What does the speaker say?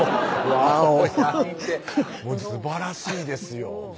ワオやり手すばらしいですよ